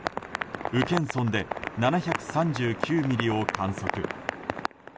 宇検村で７３９ミリを観測。